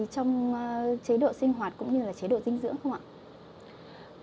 trong chế độ sinh hoạt cũng như là chế độ dinh dưỡng không ạ